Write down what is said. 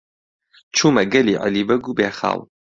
چوومە گەلی عەلی بەگ و بێخاڵ.